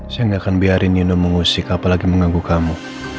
saya nggak akan biarin yunus mengusik apalagi mengganggu kamu